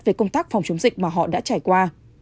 về công tác phòng chống dịch mà họ đã trải qua